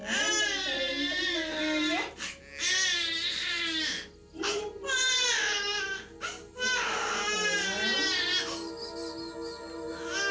dan saya akan menemukan bung